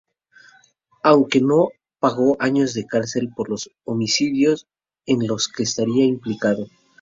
Aunque no pagó años de cárcel por los homicidios en los que estaría implicado.